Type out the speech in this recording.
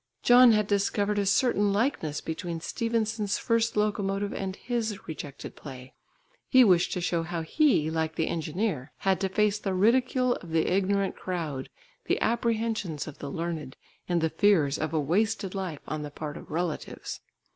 John had discovered a certain likeness between Stephenson's first locomotive and his rejected play; he wished to show how he, like the engineer, had to face the ridicule of the ignorant crowd, the apprehensions of the learned, and the fears of a wasted life on the part of relatives.